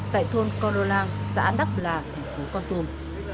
tại thôn con đô lang xã đắk là thành phố con tum